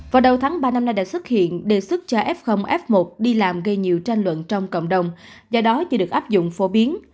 vào đầu tháng ba năm nay đã xuất hiện đề xuất cho f f một đi làm gây nhiều tranh luận trong cộng đồng do đó chưa được áp dụng phổ biến